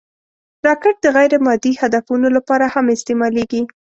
راکټ د غیر مادي هدفونو لپاره هم استعمالېږي